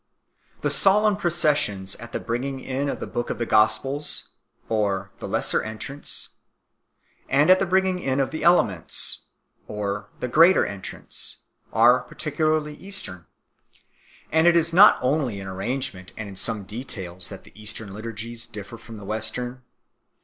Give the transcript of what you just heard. The solemn processions at the bringing in of the Book of the Gospels the " Lesser Entrance " and at the bringing in of the Elements the " Greater Entrance" are peculiarly Eastern. And it is not only in arrangement and in some details that the Eastern liturgies differ from the Western.